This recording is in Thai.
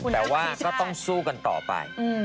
แต่ว่าก็ต้องสู้กันต่อไป